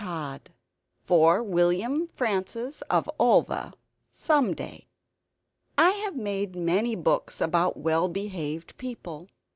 TOD [For William Francis of Ulva Someday!] I have made many books about well behaved people.